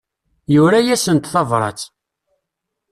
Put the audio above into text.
Yura-asent tabrat.